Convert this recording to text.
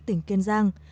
tỉnh kiên giang